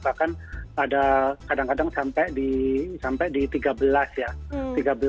bahkan ada kadang kadang sampai di tiga belas ya